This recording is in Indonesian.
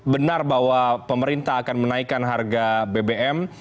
benar bahwa pemerintah akan menaikkan harga bbm